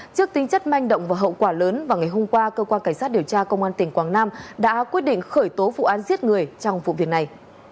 trước tính chất manh động và hậu quả lớn vào ngày hôm qua cơ quan cảnh sát điều tra công an tỉnh quảng nam đã quyết định khởi tố vụ án giết người trong vụ việc này